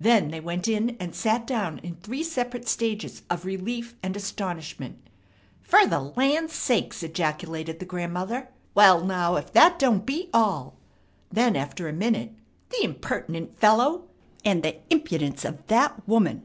Then they went in and sat down in three separate stages of relief and astonishment. "Fer the land sakes!" ejaculated the grandmother. "Wall, now, if that don't beat all!" then after a minute: "The impertinent fellow! And the impidence of the woman!